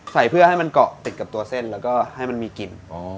ใส่เพื่อให้มันเกาะติดกับตัวเส้นแล้วก็ให้มันมีกลิ่น